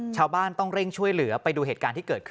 ชาวบ้านต้องเร่งช่วยเหลือไปดูเหตุการณ์ที่เกิดขึ้น